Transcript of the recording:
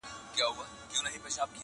o د هر چا آب پخپل لاس کي دئ!